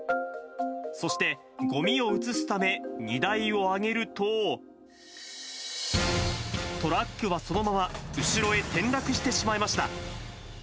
そして、ごみを移すため荷台を上げると、トラックはそのまま後ろへ転落してしまいました。